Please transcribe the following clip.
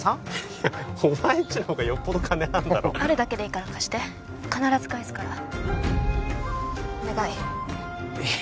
いやお前んちのほうがよっぽど金あんだろあるだけでいいから貸して必ず返すからお願いいや